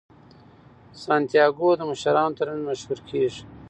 سانتیاګو د مشرانو ترمنځ مشهور کیږي.